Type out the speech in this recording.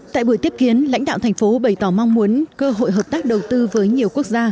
tại buổi tiếp kiến lãnh đạo thành phố bày tỏ mong muốn cơ hội hợp tác đầu tư với nhiều quốc gia